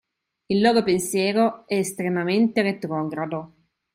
il loro pensiero è estremamente retrogrado.